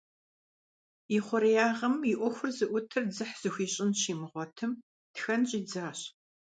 И хъуреягъым и ӏуэхур зыӏутыр дзыхь зыхуищӏын щимыгъуэтым, тхэн щӏидзащ.